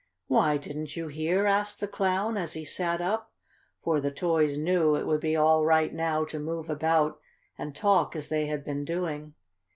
"Why, didn't you hear?" asked the Clown, as he sat up, for the toys knew it would be all right now to move about and talk as they had been doing.